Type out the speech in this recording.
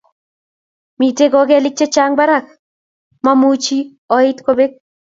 Mitei kokelik che chang barak , mamuchi oit kobek